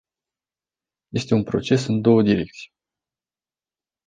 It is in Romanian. Este un proces în două direcții.